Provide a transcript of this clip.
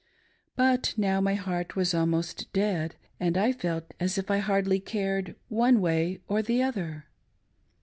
But now my heart was almost dead, and I felt as if I hardly cared one way or the other.